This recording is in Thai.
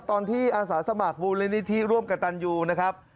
ตอนที่อาสาสมัครมูลนิธิร่วมกับตันยูนะครับ